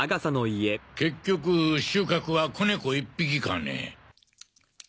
結局収穫は仔猫１匹かね。